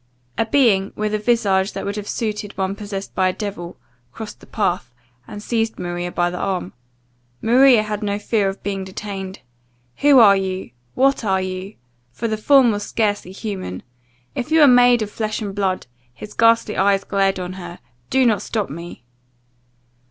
A being, with a visage that would have suited one possessed by a devil, crossed the path, and seized Maria by the arm. Maria had no fear but of being detained "Who are you? what are you?" for the form was scarcely human. "If you are made of flesh and blood," his ghastly eyes glared on her, "do not stop me!"